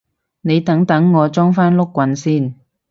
你等等我裝返碌棍先